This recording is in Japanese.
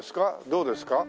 どうですか？